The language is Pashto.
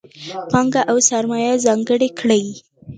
پانګه او سرمایه ځانګړې کړي.